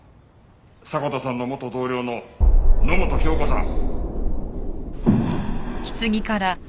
迫田さんの元同僚の野元杏子さん。